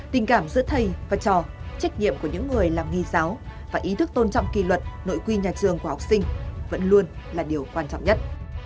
tình cảm giữa thầy và trò trách nhiệm của những người làm nghề giáo và ý thức tôn trọng kỳ luật nội quy nhà trường của học sinh vẫn luôn là điều quan trọng nhất